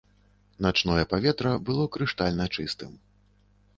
Начное паветра было крыштальна чыстым.